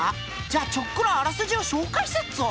じゃあちょっくらあらすじを紹介すっぞ！